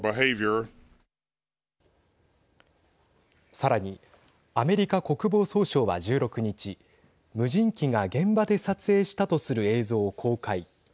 さらにアメリカ国防総省は１６日無人機が現場で撮影したとする映像を公開。